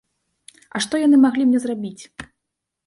А што яны маглі мне зрабіць?